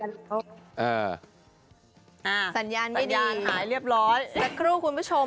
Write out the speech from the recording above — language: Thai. สัญญาณไม่ดีสัญญาณหายเรียบร้อย